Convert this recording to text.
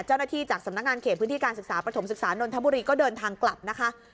เจ้าหน้าที่จากสำนักงานเขตพื้นที่การศึกษาปฐมศึกษานนทบุรีก็เดินทางกลับนะคะ